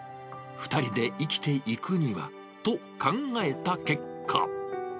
２人で生きていくにはと、考えた結果。